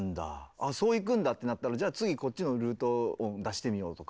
あそういくんだってなったらじゃあ次こっちのルート音出してみようとか。